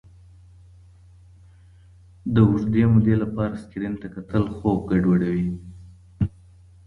د اوږدې مودې لپاره سکرین ته کتل خوب ګډوډوي.